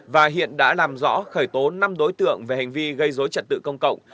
và hiện đã làm rõ khởi tố năm đối tượng về hành vi gây dối trật tự công cộng